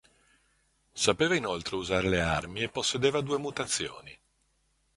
Sapeva inoltre usare le armi e possedeva due mutazioni.